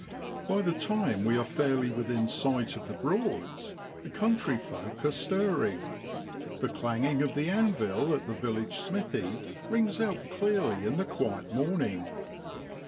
By the time we are fairly within sight of the Broads the country folk are stir ring. The clanging of the anvil at the village smithy rings out clearly in the quiet morning.